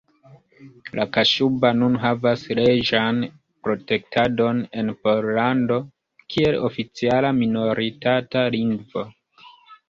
La kaŝuba nun havas leĝan protektadon en Pollando kiel oficiala minoritata lingvo.